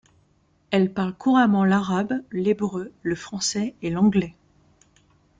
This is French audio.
Elle parle couramment l'arabe, l'hébreu, le français et l'anglais.